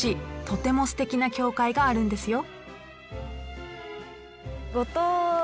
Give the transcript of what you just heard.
とてもすてきな教会があるんですよ。